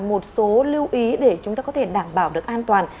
một số lưu ý để chúng ta có thể đảm bảo được an toàn